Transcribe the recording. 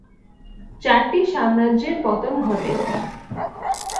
চারটি সাম্রাজ্যের পতন ঘটে।